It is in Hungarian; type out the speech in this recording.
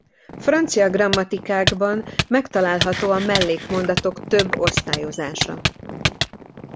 Francia grammatikákban megtalálható a mellékmondatok több osztályozása.